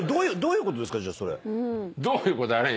どういうことやあれへん。